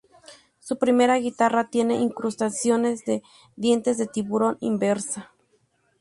Su primera guitarra tiene incrustaciones de dientes de tiburón inversa.